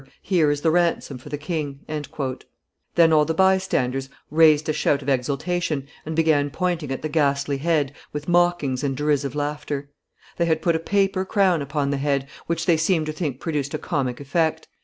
Here is the ransom for the king!" Then all the by standers raised a shout of exultation, and began pointing at the ghastly head, with mockings and derisive laughter. They had put a paper crown upon the head, which they seemed to think produced a comic effect.